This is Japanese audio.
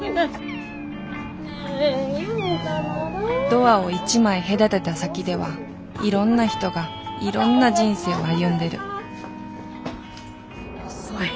ドアを一枚隔てた先ではいろんな人がいろんな人生を歩んでる遅い。